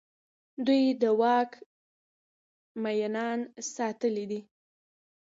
دوی د واک مينان ستايلي دي.